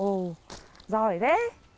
ồ giỏi thế